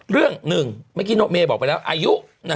เรื่องหนึ่งเมื่อกี้โนเมย์บอกไปแล้วอายุ